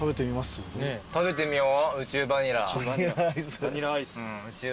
うん食べてみよう。